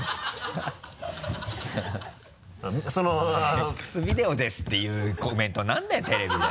エックスビデオですっていうコメント何だよテレビで。